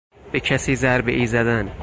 به کسی ضربهای زدن